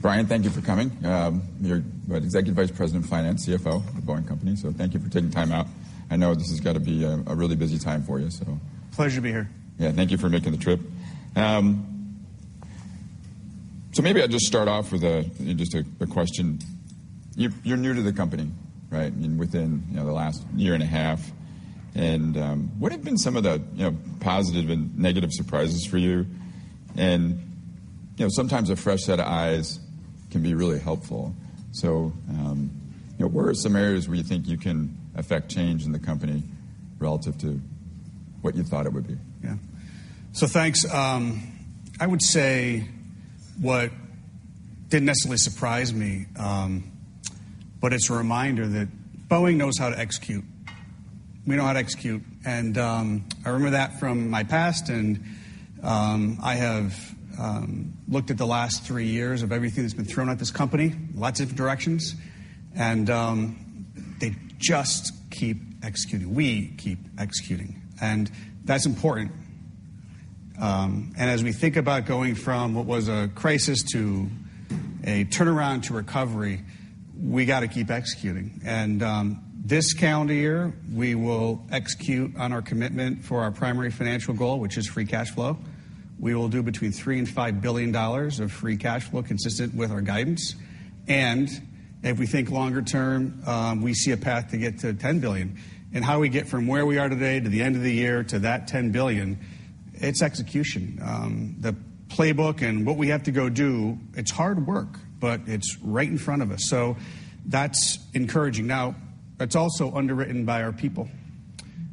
Brian, thank you for coming. You're Executive Vice President of Finance, CFO of The Boeing Company. Thank you for taking time out. I know this has gotta be a really busy time for you, so. Pleasure to be here. Yeah, thank you for making the trip. Maybe I'll just start off with just a question. You're, you're new to the company, right? I mean, within, you know, the last year and a half. What have been some of the, you know, positive and negative surprises for you? You know, sometimes a fresh set of eyes can be really helpful. You know, what are some areas where you think you can affect change in the company relative to what you thought it would be? Yeah. Thanks. I would say what didn't necessarily surprise me, but it's a reminder that Boeing knows how to execute. We know how to execute. I remember that from my past, and I have looked at the last three years of everything that's been thrown at this company, lots of directions, and they just keep executing. We keep executing. That's important. As we think about going from what was a crisis to a turnaround to recovery, we gotta keep executing. This calendar year, we will execute on our commitment for our primary financial goal, which is free cash flow. We will do between $3 billion and $5 billion of free cash flow consistent with our guidance. If we think longer term, we see a path to get to $10 billion. How we get from where we are today to the end of the year to that $10 billion, it's execution. The playbook and what we have to go do, it's hard work, but it's right in front of us. That's encouraging. Now, it's also underwritten by our people.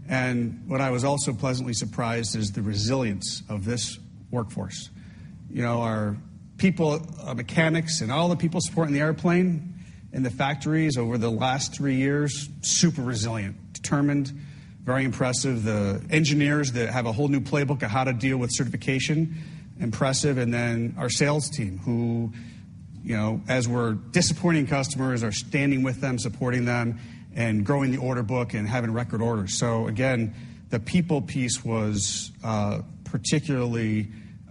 What I was also pleasantly surprised is the resilience of this workforce. You know, our people, our mechanics, and all the people supporting the airplane in the factories over the last three years, super resilient, determined, very impressive. The engineers that have a whole new playbook of how to deal with certification, impressive. Our sales team, who, you know, as we're disappointing customers, are standing with them, supporting them, and growing the order book and having record orders. Again, the people piece was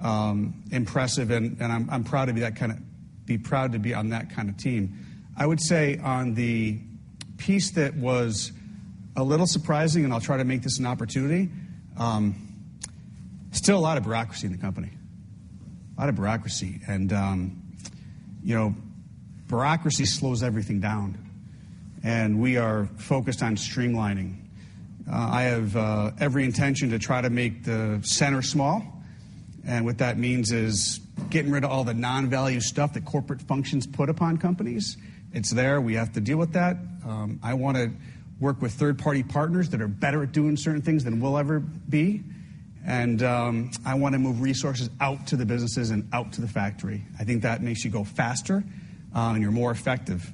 particularly impressive and I'm proud to be on that kind of team. I would say on the piece that was a little surprising, and I'll try to make this an opportunity, still a lot of bureaucracy in the company. A lot of bureaucracy. You know, bureaucracy slows everything down, and we are focused on streamlining. I have every intention to try to make the center small, and what that means is getting rid of all the non-value stuff that corporate functions put upon companies. It's there, we have to deal with that. I wanna work with third-party partners that are better at doing certain things than we'll ever be. I wanna move resources out to the businesses and out to the factory. I think that makes you go faster, and you're more effective.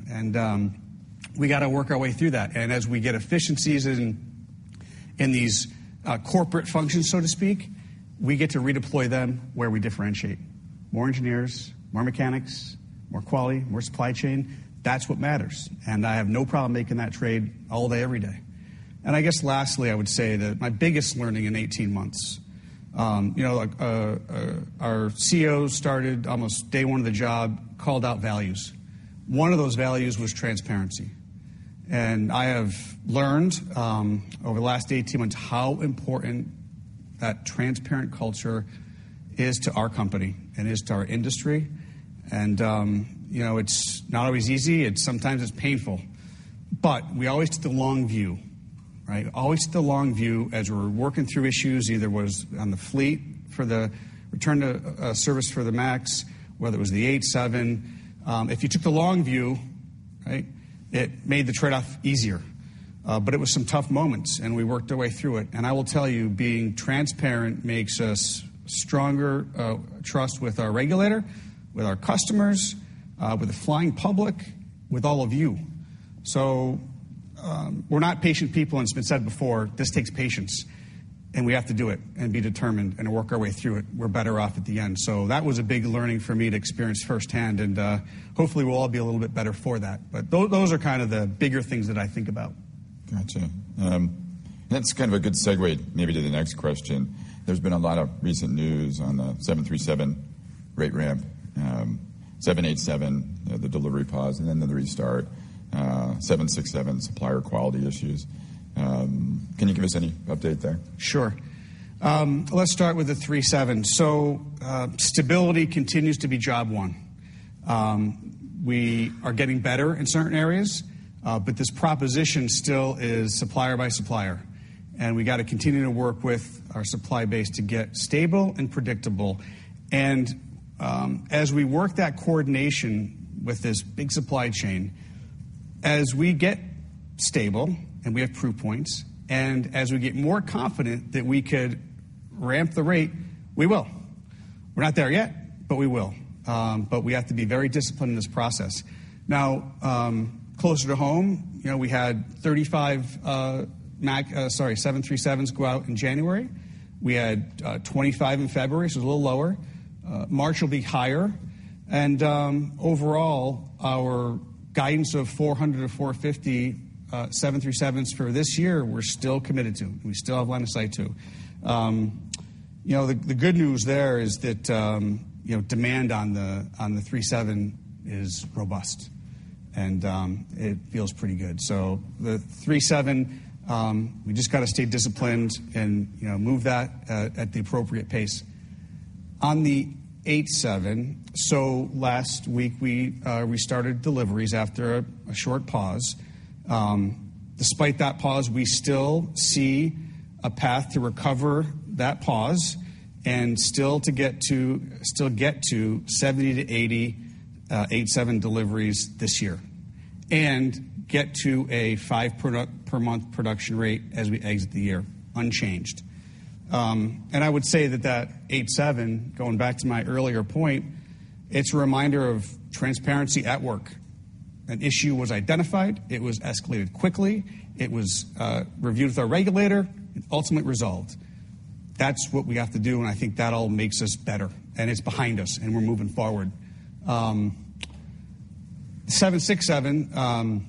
We gotta work our way through that. As we get efficiencies in these corporate functions, so to speak, we get to redeploy them where we differentiate. More engineers, more mechanics, more quality, more supply chain. That's what matters. I have no problem making that trade all day, every day. I guess lastly, I would say that my biggest learning in 18 months, you know, like, our CEO started almost day one of the job, called out values. One of those values was transparency. I have learned over the last 18 months how important that transparent culture is to our company and is to our industry. You know, it's not always easy, it's sometimes it's painful, but we always took the long view, right? Always took the long view as we're working through issues, either was on the fleet for the return to service for the MAX, whether it was the H-7. If you took the long view, it made the trade-off easier. It was some tough moments, and we worked our way through it. I will tell you, being transparent makes us stronger, trust with our regulator, with our customers, with the flying public, with all of you. We're not patient people, and it's been said before, this takes patience, and we have to do it and be determined and work our way through it. We're better off at the end. That was a big learning for me to experience firsthand, and hopefully we'll all be a little bit better for that. Those are kind of the bigger things that I think about. Gotcha. That's kind of a good segue maybe to the next question. There's been a lot of recent news on the 737 rate ramp, 787, the delivery pause and then the restart, 767 supplier quality issues. Can you give us any update there? Sure. Let's start with the 737. Stability continues to be job one. We are getting better in certain areas, but this proposition still is supplier by supplier, and we gotta continue to work with our supply base to get stable and predictable. As we work that coordination with this big supply chain, as we get stable, and we have proof points, and as we get more confident that we could ramp the rate, we will. We're not there yet, but we will. We have to be very disciplined in this process. Now, closer to home, you know, we had 35 MAX, sorry, 737s go out in January. We had 25 in February, so it's a little lower. March will be higher. Overall, our Guidance of 400 or 450 737s for this year, we're still committed to, and we still have line of sight to. You know, the good news there is that, you know, demand on the three seven is robust, and it feels pretty good. The three seven, we just got to stay disciplined and, you know, move that at the appropriate pace. On the eight seven, last week we started deliveries after a short pause. Despite that pause, we still see a path to recover that pause and still get to 70-80 eight seven deliveries this year and get to a five per month production rate as we exit the year unchanged. I would say that that 787, going back to my earlier point, it's a reminder of transparency at work. An issue was identified, it was escalated quickly, it was reviewed with our regulator, and ultimate resolved. That's what we have to do, and I think that all makes us better, and it's behind us, and we're moving forward. 767,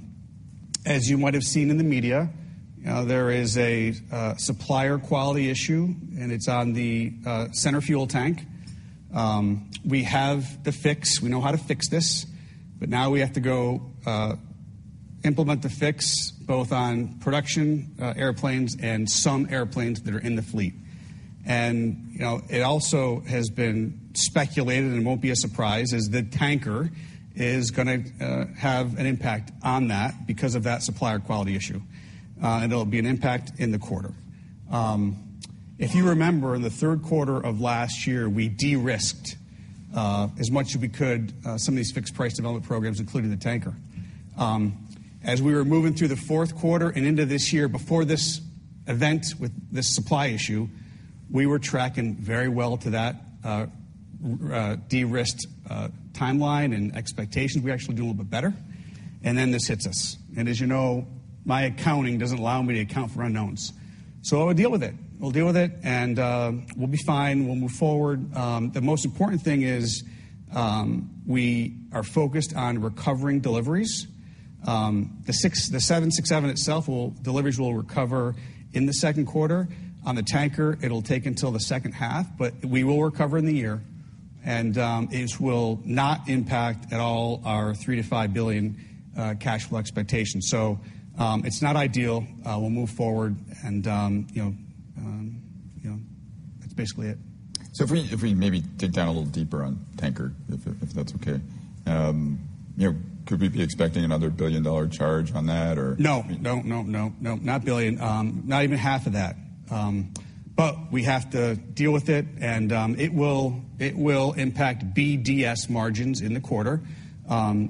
as you might have seen in the media, you know, there is a supplier quality issue, and it's on the center fuel tank. We have the fix. We know how to fix this, but now we have to go implement the fix both on production airplanes and some airplanes that are in the fleet. You know, it also has been speculated, and it won't be a surprise, is that Tanker is gonna have an impact on that because of that supplier quality issue. There'll be an impact in the quarter. If you remember, in the Q3 of last year, we de-risked as much as we could some of these fixed price development programs, including the Tanker. As we were moving through the Q4 and into this year before this event with this supply issue, we were tracking very well to that de-risked timeline and expectations. We actually do a little bit better, this hits us. As you know, my accounting doesn't allow me to account for unknowns. We'll deal with it. We'll deal with it, we'll be fine. We'll move forward. The most important thing is, we are focused on recovering deliveries. The 767 itself deliveries will recover in the Q2. On the Tanker, it'll take until the second half, but we will recover in the year. It will not impact at all our $3 billion-$5 billion cash flow expectations. It's not ideal. We'll move forward and, you know, you know, that's basically it. If we maybe dig down a little deeper on Tanker, if that's okay. You know, could we be expecting another billion-dollar charge on that or? No. No, no, no. Not billion. Not even half of that. We have to deal with it and, it will, it will impact BDS margins in the quarter.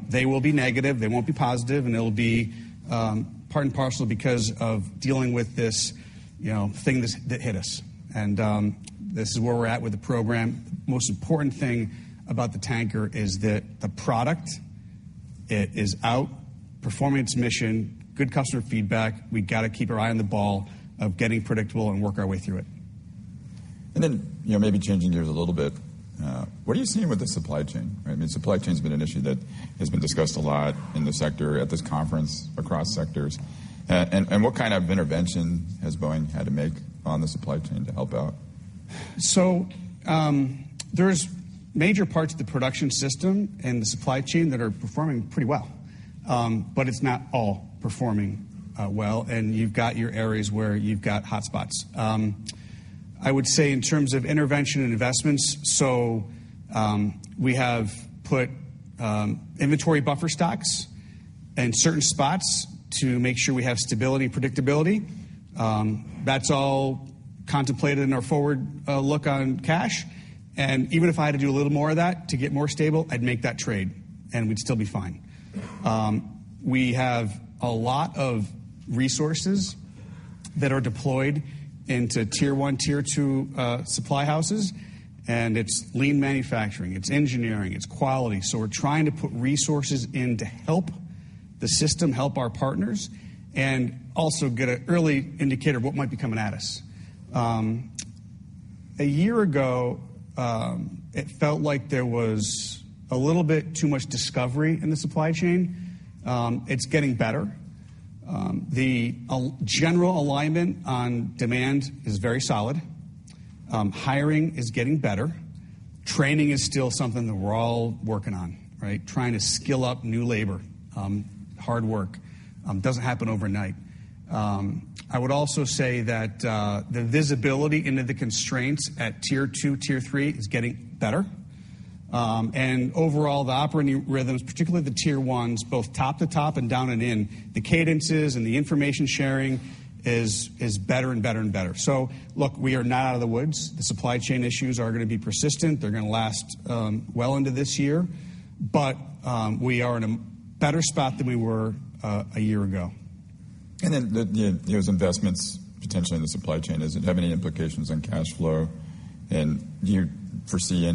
They will be negative, they won't be positive, and it'll be part and parcel because of dealing with this, you know, thing that hit us. This is where we're at with the program. Most important thing about the Tanker is that the product, it is outperforming its mission, good customer feedback. We gotta keep our eye on the ball of getting predictable and work our way through it. You know, maybe changing gears a little bit. What are you seeing with the supply chain, right? I mean, supply chain has been an issue that has been discussed a lot in the sector, at this conference, across sectors. What kind of intervention has Boeing had to make on the supply chain to help out? There's major parts of the production system and the supply chain that are performing pretty well. It's not all performing well, and you've got your areas where you've got hotspots. I would say in terms of intervention and investments, we have put inventory buffer stocks in certain spots to make sure we have stability and predictability. That's all contemplated in our forward look on cash. Even if I had to do a little more of that to get more stable, I'd make that trade, and we'd still be fine. We have a lot of resources that are deployed into tier one, tier two supply houses, and it's lean manufacturing, it's engineering, it's quality. We're trying to put resources in to help the system, help our partners, and also get an early indicator of what might be coming at us. A year ago, it felt like there was a little bit too much discovery in the supply chain. It's getting better. The general alignment on demand is very solid. Hiring is getting better. Training is still something that we're all working on, right? Trying to skill up new labor. Hard work. Doesn't happen overnight. I would also say that the visibility into the constraints at tier two, tier three is getting better. And overall, the operating rhythms, particularly the tier ones, both top to top and down and in, the cadences and the information sharing is better and better and better. Look, we are not out of the woods. The supply chain issues are gonna be persistent. They're gonna last, well into this year. We are in a better spot than we were, a year ago. Those investments potentially in the supply chain, does it have any implications on cash flow? Do you foresee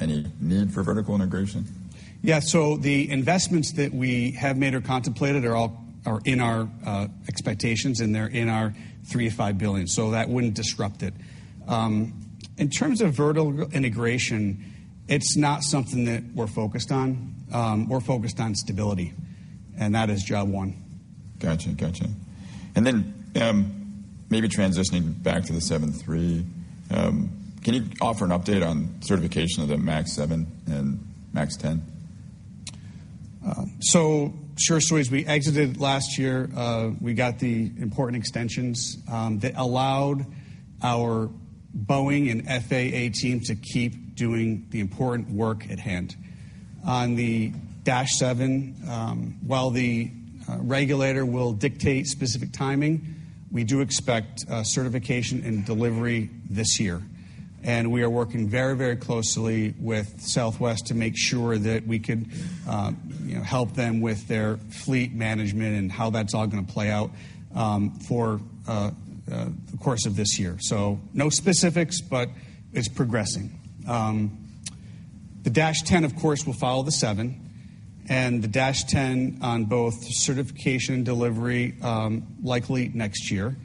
any need for vertical integration? Yeah. The investments that we have made or contemplated are in our expectations, and they're in our $3 billion-$5 billion. That wouldn't disrupt it. In terms of vertical integration, it's not something that we're focused on. We're focused on stability, and that is job one. Gotcha. Gotcha. maybe transitioning back to the 737, can you offer an update on certification of the MAX 7 and MAX 10? As we exited last year, we got the important extensions that allowed our Boeing and FAA team to keep doing the important work at hand. On the dash seven, while the regulator will dictate specific timing, we do expect certification and delivery this year. We are working very, very closely with Southwest to make sure that we can, you know, help them with their fleet management and how that's all gonna play out for the course of this year. No specifics, but it's progressing. The dash ten, of course, will follow the seven, and the dash ten on both certification and delivery, likely next year.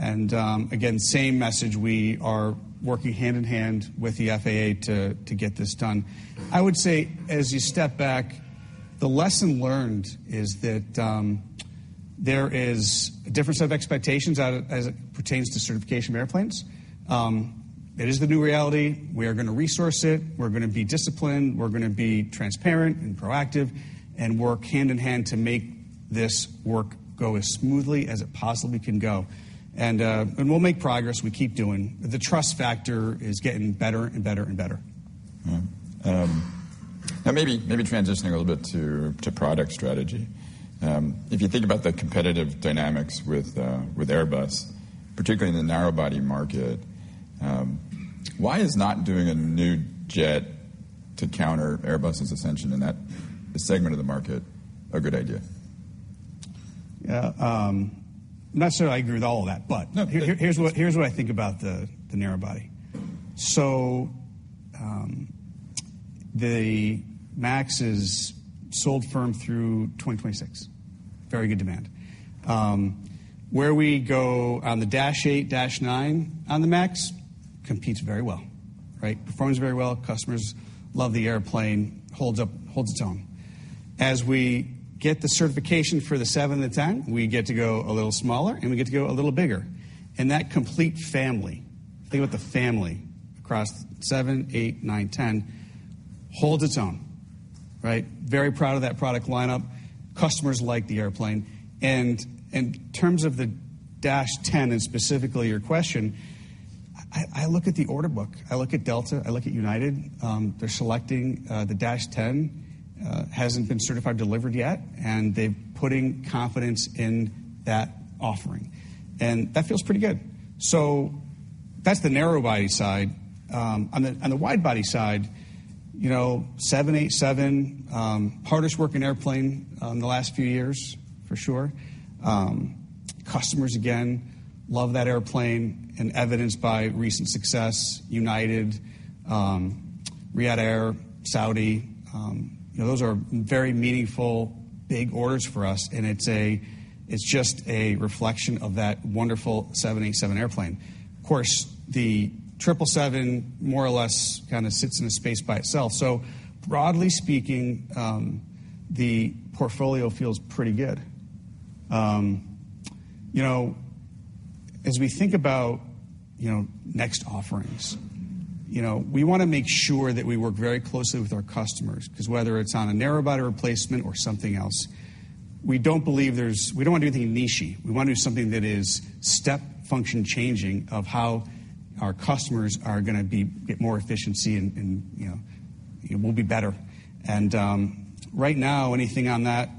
Again, same message. We are working hand-in-hand with the FAA to get this done. I would say, as you step back, the lesson learned is that there is a different set of expectations as it pertains to certification of airplanes. That is the new reality. We are gonna resource it. We're gonna be disciplined. We're gonna be transparent and proactive and work hand-in-hand to make this work go as smoothly as it possibly can go. We'll make progress. We keep doing. The trust factor is getting better and better and better. All right. Now maybe transitioning a little bit to product strategy. If you think about the competitive dynamics with Airbus, particularly in the narrowbody market, why is not doing a new jet to counter Airbus's ascension in that segment of the market a good idea? I'm not sure I agree with all of that, but- No. Here's what I think about the narrow body. The MAX is sold firm through 2026. Very good demand. Where we go on the dash eight, dash nine on the MAX competes very well, right? Performs very well. Customers love the airplane. Holds its own. As we get the certification for the seven to ten, we get to go a little smaller and we get to go a little bigger. That complete family, think about the family across seven, eight, nine, ten, holds its own, right? Very proud of that product lineup. Customers like the airplane. In terms of the dash ten and specifically your question, I look at the order book. I look at Delta. I look at United. They're selecting the dash ten. hasn't been certified delivered yet, and they're putting confidence in that offering, and that feels pretty good. That's the narrow body side. On the wide body side, you know, 787, hardest working airplane in the last few years for sure. Customers again love that airplane and evidenced by recent success, United, Riyadh Air, Saudi. You know, those are very meaningful big orders for us, and it's just a reflection of that wonderful 787 airplane. Of course, the 777 more or less kinda sits in a space by itself. Broadly speaking, the portfolio feels pretty good. You know, as we think about, you know, next offerings, you know, we wanna make sure that we work very closely with our customers. Whether it's on a narrowbody replacement or something else, we don't believe. We don't wanna do anything nichey. We wanna do something that is step function changing of how our customers are gonna get more efficiency and, you know, it will be better. Right now anything on that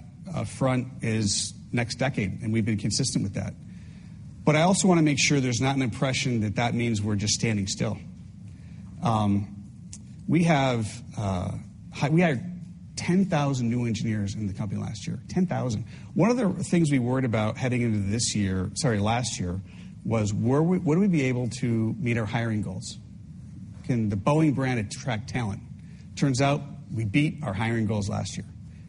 front is next decade, and we've been consistent with that. I also wanna make sure there's not an impression that that means we're just standing still. We have. We hired 10,000 new engineers in the company last year. 10,000. One of the things we worried about heading into this year, sorry, last year, was would we be able to meet our hiring goals? Can the Boeing brand attract talent? Turns out we beat our hiring goals last year.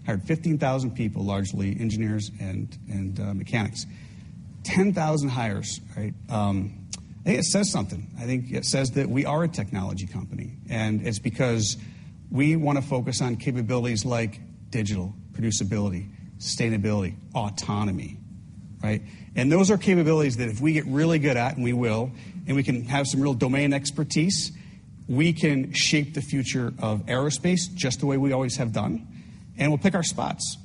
Hired 15,000 people, largely engineers and mechanics. 10,000 hires, right? I think it says something. I think it says that we are a technology company, and it's because we wanna focus on capabilities like digital, producibility, sustainability, autonomy, right? Those are capabilities that if we get really good at, and we will, and we can have some real domain expertise, we can shape the future of aerospace just the way we always have done, and we'll pick our spots.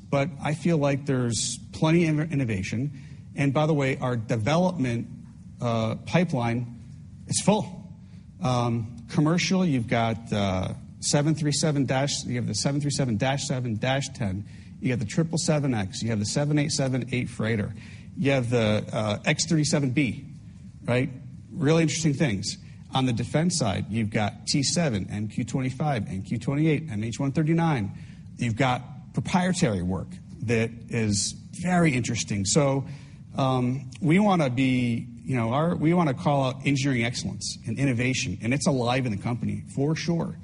I feel like there's plenty innovation. By the way, our development pipeline is full. Commercial, You have the 737-7, dash 10. You got the 777X. You have the 787-8 Freighter. You have the X-37B, right? Really interesting things. On the defense side, you've got T-7A and MQ-25 and MQ-28, MH-139. Proprietary work that is very interesting. we wanna be, you know, we wanna call out engineering excellence and innovation, and it's alive in the company for sure.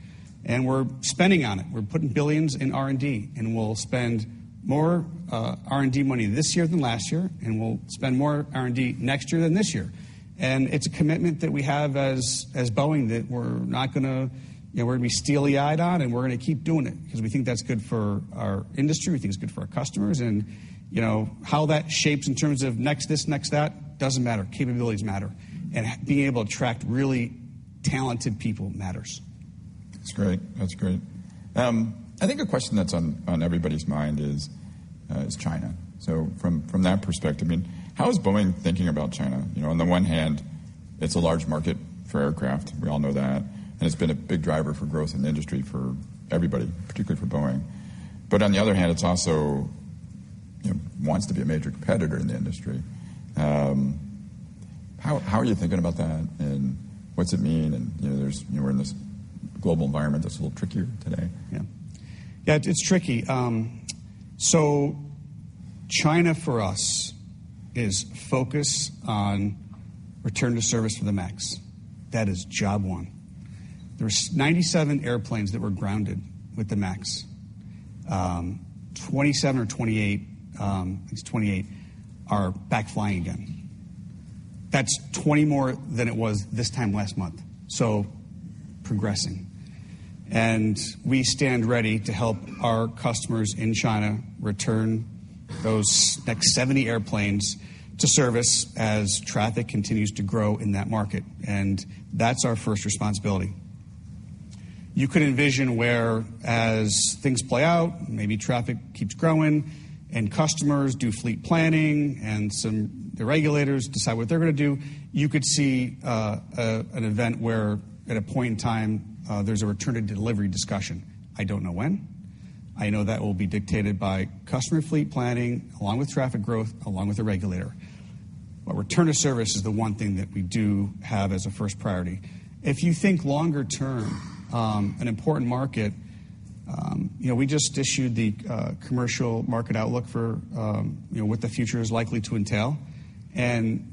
We're spending on it. We're putting billions in R&D, and we'll spend more R&D money this year than last year, and we'll spend more R&D next year than this year. It's a commitment that we have as Boeing that we're not gonna, you know, we're gonna be steely-eyed on, and we're gonna keep doing it 'cause we think that's good for our industry, we think it's good for our customers. you know, how that shapes in terms of next this, next that, doesn't matter. Capabilities matter, and being able to attract really talented people matters. That's great. That's great. I think a question that's on everybody's mind is China. From that perspective, I mean, how is Boeing thinking about China? You know, on the one hand, it's a large market for aircraft. We all know that, and it's been a big driver for growth in the industry for everybody, particularly for Boeing. On the other hand, it's also, you know, wants to be a major competitor in the industry. How are you thinking about that, and what's it mean? You know, there's, you know, we're in this global environment that's a little trickier today. Yeah. Yeah, it's tricky. China for us is focused on return to service for the MAX. That is job one. There's 97 airplanes that were grounded with the MAX. 27 or 28, I think it's 28, are back flying again. That's 20 more than it was this time last month, progressing. We stand ready to help our customers in China return those next 70 airplanes to service as traffic continues to grow in that market, and that's our first responsibility. You could envision where as things play out, maybe traffic keeps growing and customers do fleet planning and the regulators decide what they're gonna do. You could see an event where at a point in time, there's a return to delivery discussion. I don't know when. I know that will be dictated by customer fleet planning, along with traffic growth, along with the regulator. Return to service is the one thing that we do have as a first priority. If you think longer term, an important market, you know, we just issued the Commercial Market Outlook for, you know, what the future is likely to entail. In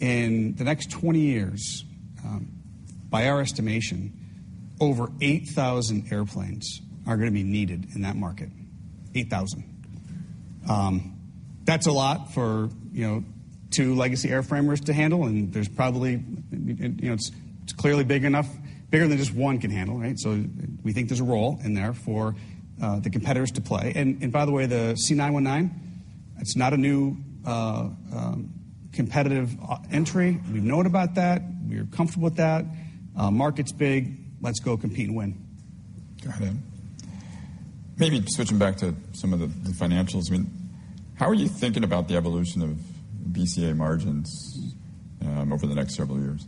the next 20 years, by our estimation, over 8,000 airplanes are gonna be needed in that market. 8,000. That's a lot for, you know, two legacy airframers to handle, and there's probably, you know, it's clearly big enough, bigger than just one can handle, right? We think there's a role in there for the competitors to play. By the way, the C919, it's not a new competitive entry. We've known about that. We're comfortable with that. Market's big. Let's go compete and win. Got it. Maybe switching back to some of the financials, I mean, how are you thinking about the evolution of BCA margins over the next several years?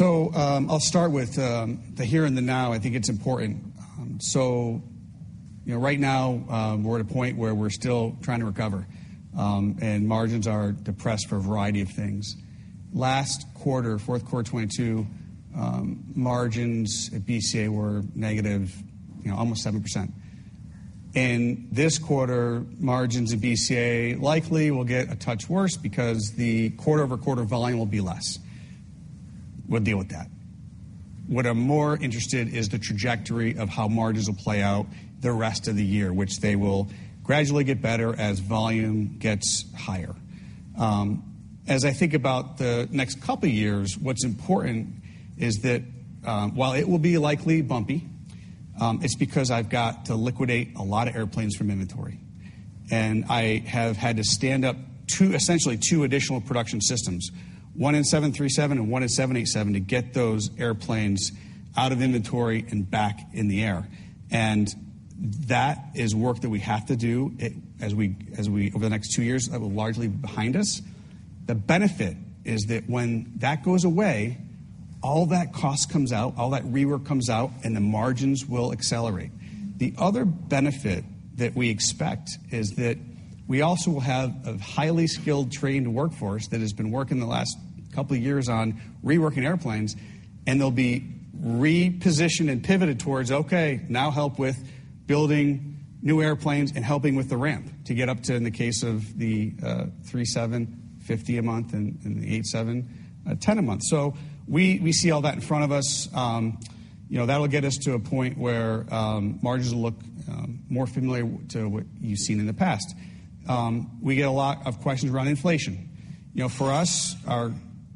I'll start with the here and the now. I think it's important. You know, right now, we're at a point where we're still trying to recover, and margins are depressed for a variety of things. Last quarter, Q4 2022, margins at BCA were negative, you know, almost 7%. This quarter, margins at BCA likely will get a touch worse because the quarter-over-quarter volume will be less. We'll deal with that. What I'm more interested is the trajectory of how margins will play out the rest of the year, which they will gradually get better as volume gets higher. As I think about the next couple years, what's important is that, while it will be likely bumpy, it's because I've got to liquidate a lot of airplanes from inventory. I have had to stand up two, essentially two additional production systems, one in 737 and one in 787, to get those airplanes out of inventory and back in the air. That is work that we have to do as we over the next two years, that will largely be behind us. The benefit is that when that goes away, all that cost comes out, all that rework comes out, and the margins will accelerate. The other benefit that we expect is that we also will have a highly skilled, trained workforce that has been working the last couple years on reworking airplanes, and they'll be repositioned and pivoted towards, okay, now help with building new airplanes and helping with the ramp to get up to, in the case of the 737, 50 a month and the 787, 10 a month. We see all that in front of us. You know, that'll get us to a point where margins will look more familiar to what you've seen in the past. We get a lot of questions around inflation. You know, for us, our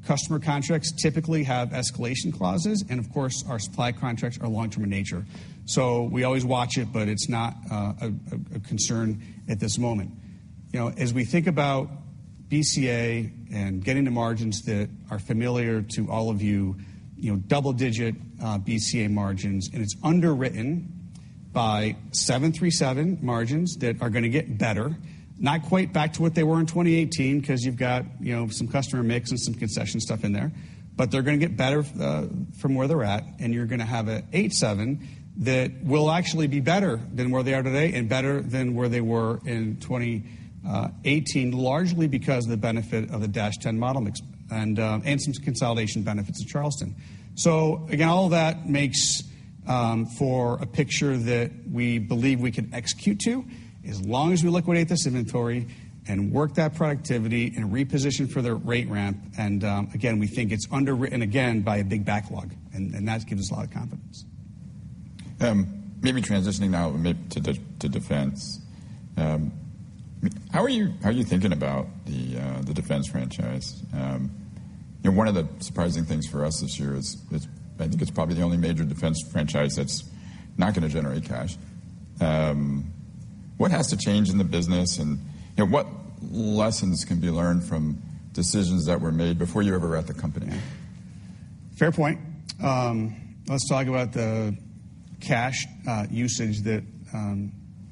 customer contracts typically have escalation clauses, and of course, our supply contracts are long-term in nature. We always watch it, but it's not a concern at this moment. You know, as we think about BCA and getting to margins that are familiar to all of you know, double-digit BCA margins, and it's underwritten by 737 margins that are gonna get better. Not quite back to what they were in 2018 because you've got, you know, some customer mix and some concession stuff in there, but they're gonna get better from where they're at, and you're gonna have a 787 that will actually be better than where they are today and better than where they were in 2018, largely because of the benefit of the dash ten model mix and some consolidation benefits of Charleston. All that for a picture that we believe we can execute to, as long as we liquidate this inventory and work that productivity and reposition for the rate ramp. Again, we think it's underwritten again by a big backlog, and that gives us a lot of confidence. Maybe transitioning now to the defense. How are you thinking about the defense franchise? You know, one of the surprising things for us this year is, I think it's probably the only major defense franchise that's not gonna generate cash. What has to change in the business? You know, what lessons can be learned from decisions that were made before you ever were at the company? Fair point. Let's talk about the cash usage that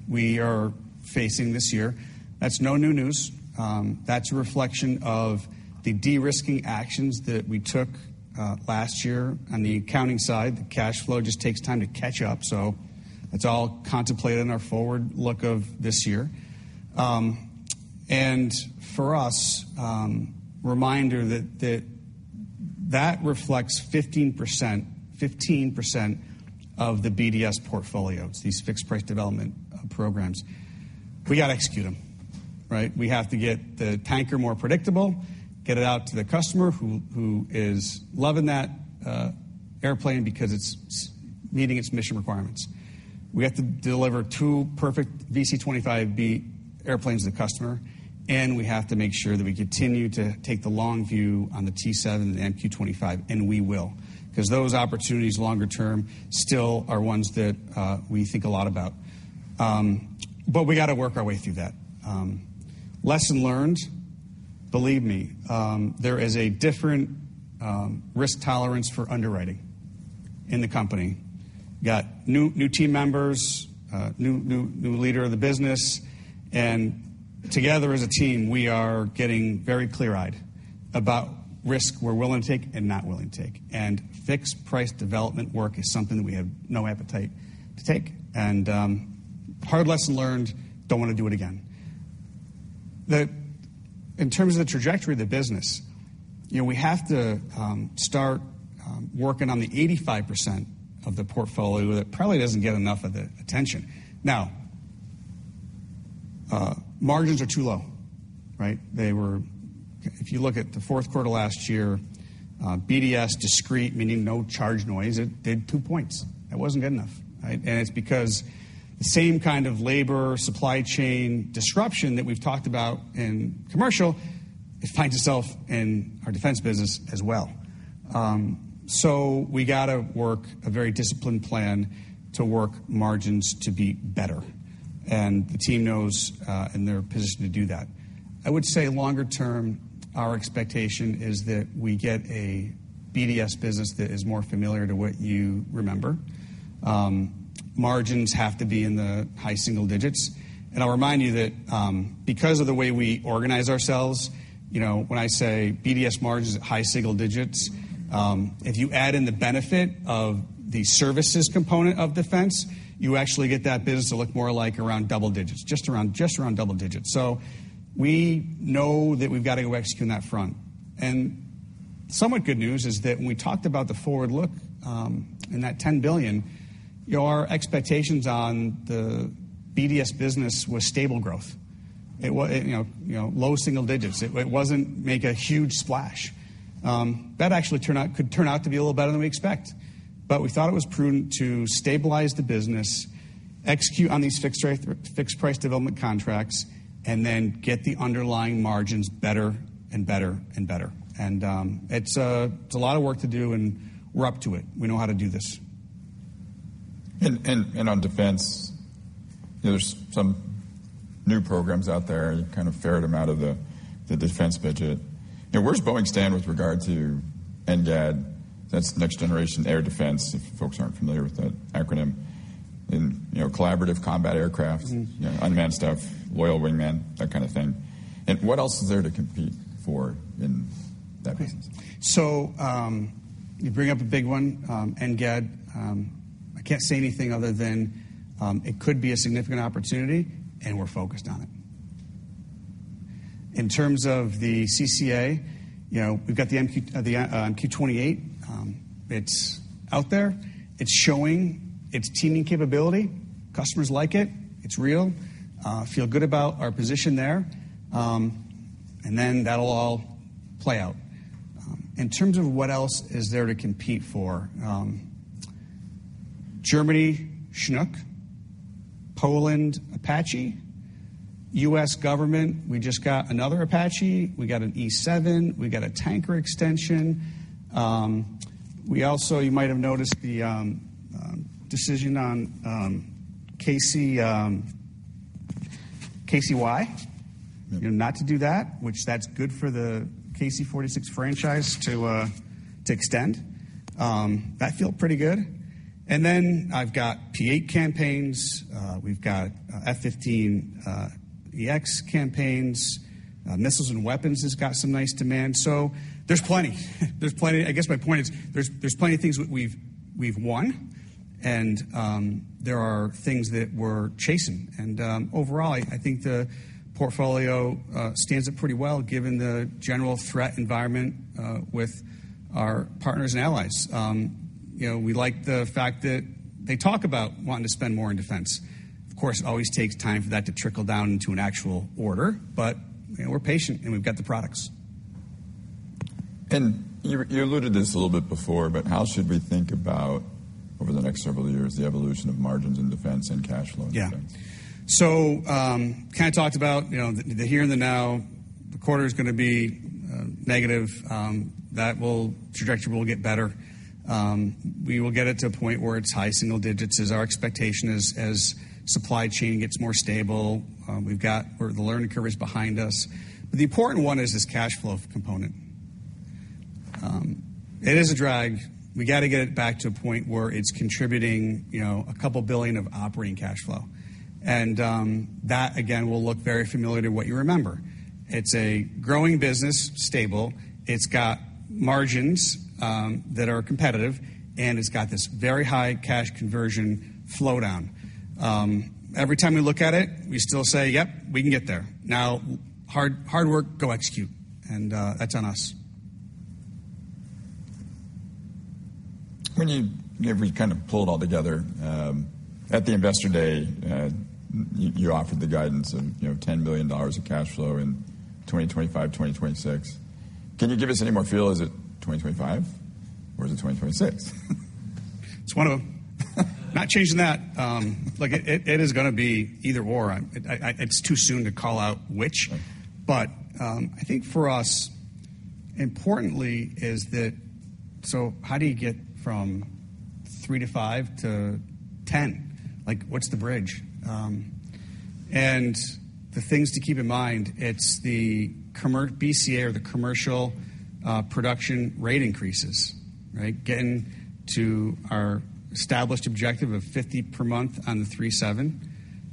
we are facing this year. That's no new news. That's a reflection of the de-risking actions that we took last year on the accounting side. The cash flow just takes time to catch up, so that's all contemplated in our forward look of this year. For us, reminder that reflects 15% of the BDS portfolio. It's these fixed price development programs. We gotta execute them, right? We have to get the Tanker more predictable, get it out to the customer who is loving that airplane because it's meeting its mission requirements. We have to deliver two perfect VC-25B airplanes to the customer, and we have to make sure that we continue to take the long view on the T-7 and the MQ-25, and we will. Because those opportunities longer term still are ones that we think a lot about. We gotta work our way through that. Lesson learned, believe me, there is a different risk tolerance for underwriting in the company. Got new team members, new leader of the business. Together as a team, we are getting very clear-eyed about risk we're willing to take and not willing to take. Fixed price development work is something that we have no appetite to take. Hard lesson learned, don't wanna do it again. In terms of the trajectory of the business, you know, we have to start working on the 85% of the portfolio that probably doesn't get enough of the attention. Now, margins are too low, right? If you look at the Q4 last year, BDS discrete, meaning no charge noise, it did two points. That wasn't good enough, right? It's because the same kind of labor supply chain disruption that we've talked about in commercial, it finds itself in our defense business as well. We gotta work a very disciplined plan to work margins to be better. The team knows, and they're positioned to do that. I would say longer term, our expectation is that we get a BDS business that is more familiar to what you remember. Margins have to be in the high single digits. I'll remind you that, because of the way we organize ourselves, you know, when I say BDS margins at high single digits, if you add in the benefit of the services component of defense, you actually get that business to look more like around double digits, just around double digits. We know that we've got to go execute on that front. Somewhat good news is that when we talked about the forward look, in that $10 billion, you know, our expectations on the BDS business was stable growth. It, you know, low single digits. It wasn't make a huge splash. That actually could turn out to be a little better than we expect. We thought it was prudent to stabilize the business, execute on these fixed price development contracts, and then get the underlying margins better and better and better. It's a lot of work to do, and we're up to it. We know how to do this. On defense, you know, there's some new programs out there. You kind of ferret them out of the defense budget. You know, where does Boeing stand with regard to NGAD? That's the Next Generation Air Dominance, if folks aren't familiar with that acronym. You know, Collaborative Combat Aircraft-. Mm-hmm. You know, unmanned stuff, Loyal Wingman, that kind of thing. What else is there to compete for in that business? You bring up a big one, NGAD. I can't say anything other than, it could be a significant opportunity, and we're focused on it. In terms of the CCA, you know, we've got the MQ, the MQ-28. It's out there. It's showing its teaming capability. Customers like it. It's real. Feel good about our position there. That'll all play out. In terms of what else is there to compete for, Germany, Chinook, Poland, Apache. US government, we just got another Apache. We got an E-7. We got a tanker extension. We also, you might have noticed the decision on KC-Y. Yeah. You know, not to do that, which that's good for the KC-46 franchise to extend. That feel pretty good. I've got P-8 campaigns. We've got F-15EX campaigns. Missiles and weapons has got some nice demand. There's plenty. There's plenty. I guess my point is there's plenty of things we've won and there are things that we're chasing. Overall, I think the portfolio stands up pretty well given the general threat environment with our partners and allies. You know, we like the fact that they talk about wanting to spend more on defense. Of course, it always takes time for that to trickle down into an actual order, but, you know, we're patient, and we've got the products. You alluded this a little bit before, but how should we think about over the next several years the evolution of margins in defense and cash flow? Yeah. Kinda talked about, you know, the here and the now. The quarter's gonna be negative. Trajectory will get better. We will get it to a point where it's high single digits is our expectation as supply chain gets more stable. We've got where the learning curve is behind us. The important one is this cash flow component. It is a drag. We gotta get it back to a point where it's contributing, you know, a couple billion of operating cash flow. That again will look very familiar to what you remember. It's a growing business, stable. It's got margins that are competitive, and it's got this very high cash conversion flow down. Every time we look at it, we still say, "Yep, we can get there." Hard work, go execute, and that's on us. When you know, kind of pull it all together, at the Investor Day, you offered the guidance of, you know, $10 billion of cash flow in 2025, 2026. Can you give us any more feel? Is it 2025, or is it 2026? It's one of them. Not changing that. like, it is gonna be either/or. I. It's too soon to call out which. Right. I think for us importantly is that how do you get from three to five to 10? Like, what's the bridge? The things to keep in mind, it's the BCA or the commercial production rate increases, right? Getting to our established objective of 50 per month on the 737,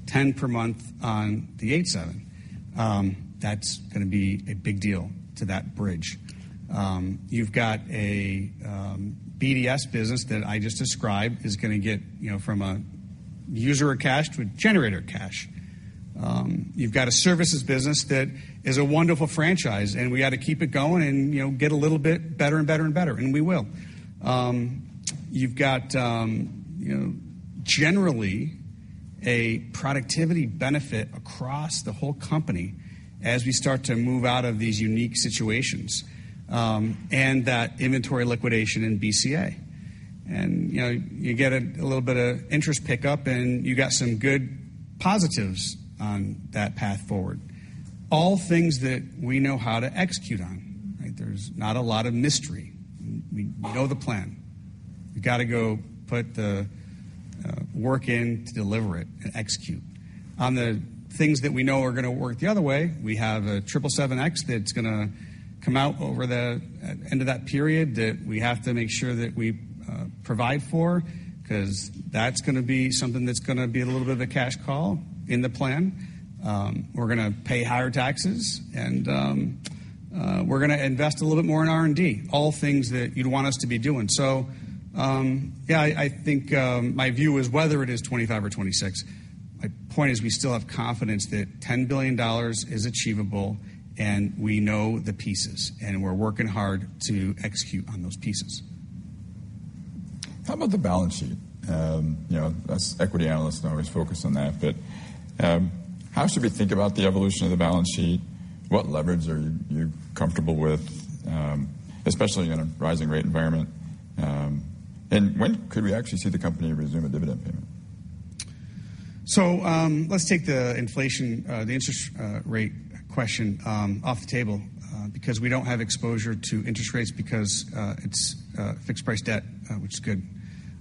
10 per month on the 787. That's gonna be a big deal to that bridge. You've got a BDS business that I just described is gonna get, you know, from a user of cash to a generator of cash. You've got a services business that is a wonderful franchise, and we gotta keep it going and, you know, get a little bit better and better and better, and we will. You've got, you know, generally a productivity benefit across the whole company as we start to move out of these unique situations, and that inventory liquidation in BCA. You know, you get a little bit of interest pickup, and you got some good positives on that path forward, all things that we know how to execute on, right? There's not a lot of mystery. We know the plan. We gotta go put the work in to deliver it and execute. On the things that we know are gonna work the other way, we have a 777X that's gonna come out over the end of that period that we have to make sure that we provide for, 'cause that's gonna be something that's gonna be a little bit of a cash call in the plan. We're gonna pay higher taxes, and, we're gonna invest a little bit more in R&D, all things that you'd want us to be doing. Yeah, I think, my view is whether it is 2025 or 2026, my point is we still have confidence that $10 billion is achievable, and we know the pieces, and we're working hard to execute on those pieces. How about the balance sheet? you know, us equity analysts are always focused on that, but, how should we think about the evolution of the balance sheet? What leverage are you comfortable with, especially in a rising rate environment? When could we actually see the company resume a dividend payment? Let's take the inflation, the interest rate question, off the table, because we don't have exposure to interest rates because it's fixed price debt, which is good.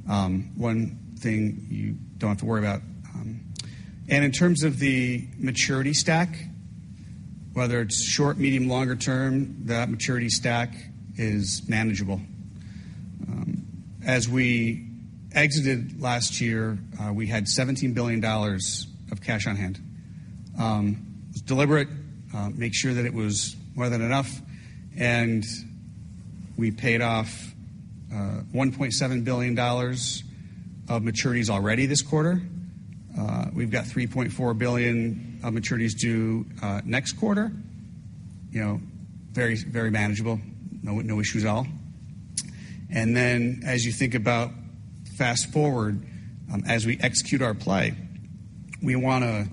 One thing you don't have to worry about. In terms of the maturity stack, whether it's short, medium, longer term, that maturity stack is manageable. As we exited last year, we had $17 billion of cash on hand. It was deliberate, made sure that it was more than enough, and we paid off $1.7 billion of maturities already this quarter. We've got $3.4 billion of maturities due next quarter. You know, very, very manageable. No, no issues at all. As you think about fast-forward, as we execute our play, we wanna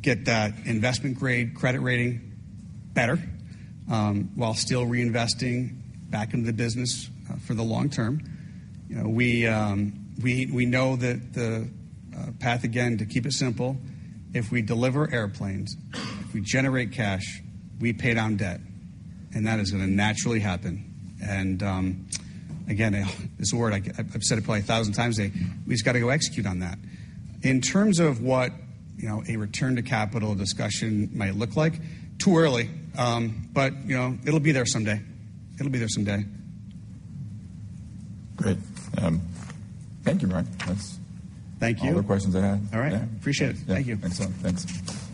get that investment grade credit rating better, while still reinvesting back into the business for the long term. You know, we know that the path, again, to keep it simple, if we deliver airplanes, if we generate cash, we pay down debt, and that is gonna naturally happen. Again, this word I've said it probably 1,000 times today, we just gotta go execute on that. In terms of what, you know, a return to capital discussion might look like, too early. You know, it'll be there someday. It'll be there someday. Great. Thank you, Brian. Thank you. All the questions I had. All right. Yeah. Appreciate it. Thank you. Yeah. Excellent. Thanks.